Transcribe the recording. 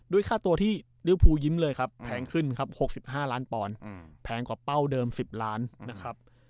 ค่าตัวที่ริวภูยิ้มเลยครับแพงขึ้นครับ๖๕ล้านปอนด์แพงกว่าเป้าเดิม๑๐ล้านนะครับ